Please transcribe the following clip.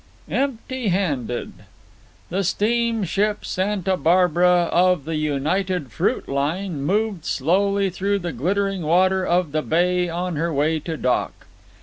Empty handed The steamship Santa Barbara, of the United Fruit Line, moved slowly through the glittering water of the bay on her way to dock.